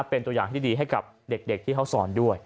เป็นตัวอย่างที่ดีให้กับเด็กที่เขาสอนด้วย